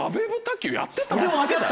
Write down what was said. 球やってた？